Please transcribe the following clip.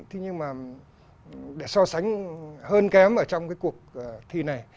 thế nhưng mà để so sánh hơn kém ở trong cái cuộc thi này